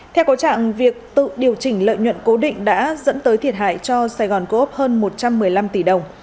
theo cố trạng việc tự điều chỉnh lợi nhuận cố định đã dẫn tới thiệt hại cho sài gòn cô ốc hơn một trăm một mươi năm tỷ đồng